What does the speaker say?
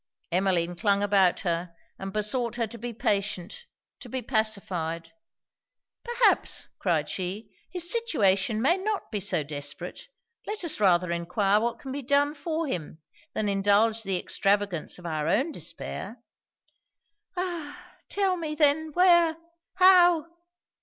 Emmeline clung about her, and besought her to be patient to be pacified. 'Perhaps,' cried she, 'his situation may not be so desperate. Let us rather enquire what can be done for him, than indulge the extravagance of our own despair.' 'Ah! tell me, then, where? how?'